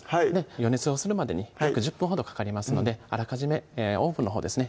予熱をするまでに約１０分ほどかかりますのであらかじめオーブンのほうですね